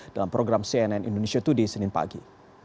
dalam program cnn indonesia dua di senin pagi